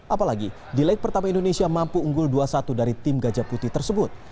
apalagi di leg pertama indonesia mampu unggul dua satu dari tim gajah putih tersebut